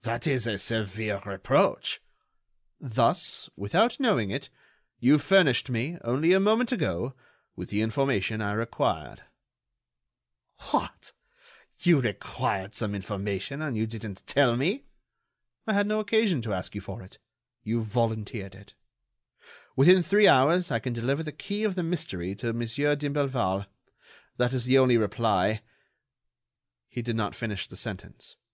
"That is a severe reproach." "Thus, without knowing it, you furnished me, only a moment ago, with the information I required." "What! you required some information and you didn't tell me?" "I had no occasion to ask you for it—you volunteered it. Within three hours I can deliver the key of the mystery to Monsieur d'Imblevalle. That is the only reply——" He did not finish the sentence.